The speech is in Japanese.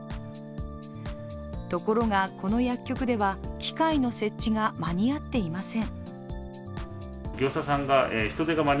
ところが、この薬局では機械の設置が間に合っていません。